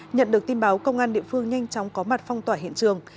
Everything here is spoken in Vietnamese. nhận được tin báo công an địa phương nhanh chóng có mặt phong tỏa hiện trường